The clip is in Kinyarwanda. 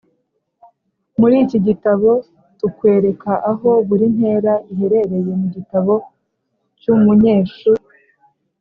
Muri iki gitabo tukwereka aho buri ntera iherereye mu gitabo cy’umunyesh